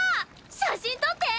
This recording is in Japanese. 写真撮って！